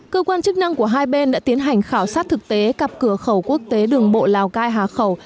cơ quan chức năng của hai bên đã tiến hành khảo sát thực tế cặp cửa khẩu quốc tế đường bộ lào cai hà khẩu